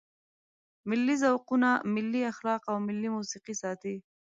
ملي ذوقونه، ملي اخلاق او ملي موسیقي ساتي.